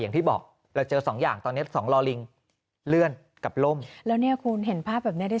อย่างที่บอกเราเจอสองอย่างตอนเนี้ยสองลอลิงเลื่อนกับล่มแล้วเนี่ยคุณเห็นภาพแบบเนี้ยได้